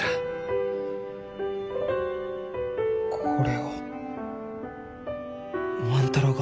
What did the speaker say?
これを万太郎が？